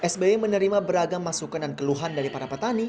sby menerima beragam masukan dan keluhan dari para petani